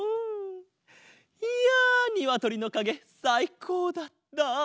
いやにわとりのかげさいこうだった！